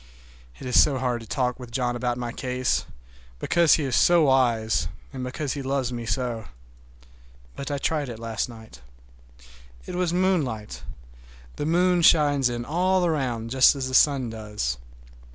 It is so hard to talk with John about my case, because he is so wise, and because he loves me so. But I tried it last night. It was moonlight. The moon shines in all around, just as the sun does.